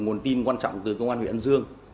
nguồn tin quan trọng từ công an huyện ân dương